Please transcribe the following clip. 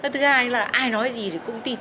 thứ hai là ai nói gì thì cũng tin